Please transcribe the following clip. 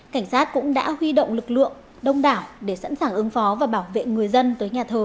cảnh sát cũng đã huy động lực lượng đông đảo để sẵn sàng ứng phó và bảo vệ người dân tới nhà thờ